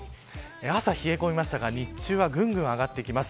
朝冷え込みましたが日中はぐんぐん上がってきます。